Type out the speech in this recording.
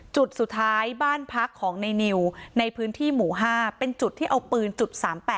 จุดสุดท้ายบ้านพักของในนิวในพื้นที่หมู่๕เป็นจุดที่เอาปืนจุด๓๘